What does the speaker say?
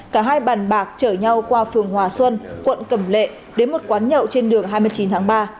cả hai bàn bạc chở nhau qua phường hòa xuân quận cẩm lệ đến một quán nhậu trên đường hai mươi chín tháng ba